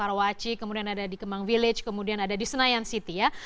di rawaci kemudian ada di kemang village kemudian ada di senayan city ya